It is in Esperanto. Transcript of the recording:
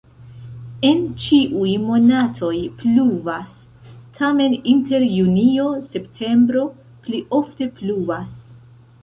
En ĉiuj monatoj pluvas, tamen inter junio-septembro pli ofte pluvas.